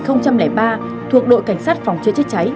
thuộc đội cảnh sát phòng chế chế cháy